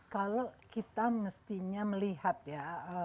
kalau kita mestinya melihat ya